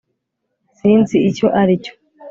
sinzi icyo ari cyo